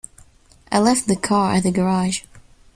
I left the car at the garage.